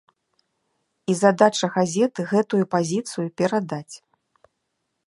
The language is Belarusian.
І задача газету гэтую пазіцыю перадаць.